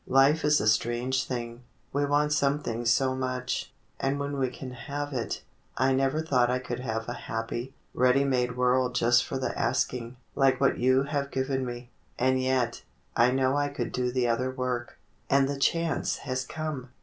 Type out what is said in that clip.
"Life is a strange thing. We want something so much, and when we can have it, — I never thought I could have a happy, ready made world just for the asking, like what you have given me. And yet — I know I could do the other work, and the chance has come."